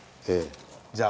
じゃあ。